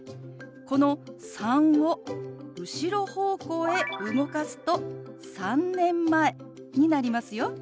この「３」を後ろ方向へ動かすと「３年前」になりますよ。